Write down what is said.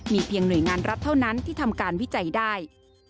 มีเพียงหน่วยงานรัฐเท่านั้นที่ทำการวิจัยได้